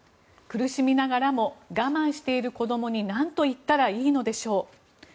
苦しみながらも我慢している子供に何と言ったら良いのでしょう。